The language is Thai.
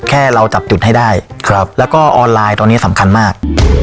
แค่เราจับจุดให้ได้แล้วก็ออนไลน์ตอนนี้สำคัญมาก